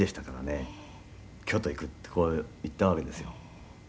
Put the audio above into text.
“京都へ行く”ってこう言ったわけですよ」